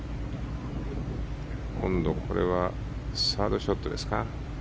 今度これはサードショットですか。